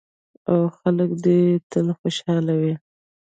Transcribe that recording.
او خلک دې یې تل خوشحاله وي.